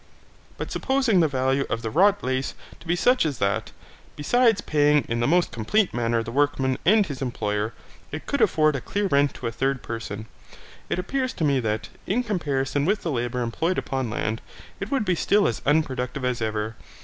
But supposing the value of the wrought lace to be such as that, besides paying in the most complete manner the workman and his employer, it could afford a clear rent to a third person, it appears to me that, in comparison with the labour employed upon land, it would be still as unproductive as ever.